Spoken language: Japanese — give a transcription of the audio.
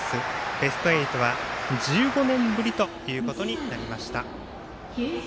ベスト８は１５年ぶりということになりました。